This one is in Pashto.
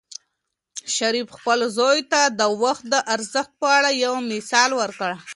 شریف خپل زوی ته د وخت د ارزښت په اړه یو مثال ورکړ.